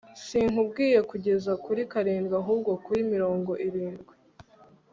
sinkubwiye kugeza kuri karindwi, ahubwo kuri mirongo irindwi